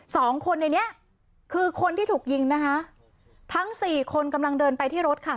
สองคนในเนี้ยคือคนที่ถูกยิงนะคะทั้งสี่คนกำลังเดินไปที่รถค่ะ